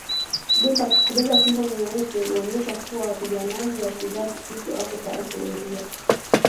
Kubeba fimbo nyeupe huonyesha kuwa wapiganaji wa kizazi kipya wako tayari kuingia